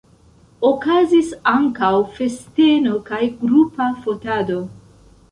Okazis ankaŭ festeno kaj grupa fotado.